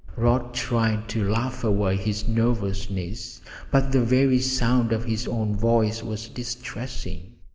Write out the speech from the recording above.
Rod tried to laugh away his nervousness, but the very sound of his own voice was distressing.